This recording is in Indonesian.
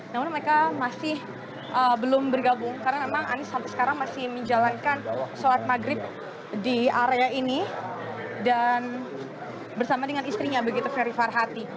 namun mereka masih belum bergabung karena memang anies sampai sekarang masih menjalankan sholat maghrib di area ini dan bersama dengan istrinya begitu ferry farhati